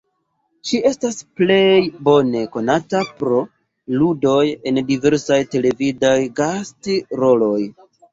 Ŝi estas plej bone konata pro ludoj en diversaj televidaj gast-roloj.